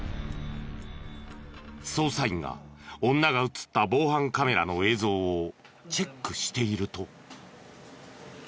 捜査員が女が映った防犯カメラの映像をチェックしていると。